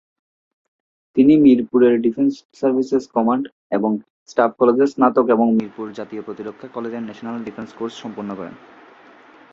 তিনি মিরপুরের defence services command এবং স্টাফ কলেজের স্নাতক এবং মিরপুর জাতীয় প্রতিরক্ষা কলেজে ন্যাশনাল ডিফেন্স কোর্স সম্পন্ন করেন।